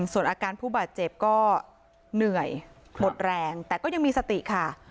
ส่วนอาการผู้บาดเจ็บก็เหนื่อยหมดแรงแต่ก็ยังมีสติค่ะ